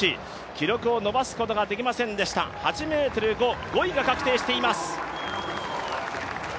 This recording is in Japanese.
記録を伸ばすことができませんでした、８ｍ５、５位が確定しています。